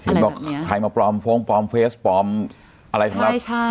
อะไรแบบเนี้ยใครมาปลอมโฟงปลอมเฟสปลอมอะไรสำหรับใช่ใช่